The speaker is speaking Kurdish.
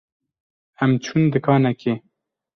Em çûn dikanekê.